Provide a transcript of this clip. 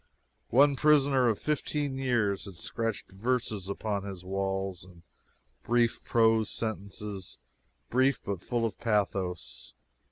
One prisoner of fifteen years had scratched verses upon his walls, and brief prose sentences brief, but full of pathos.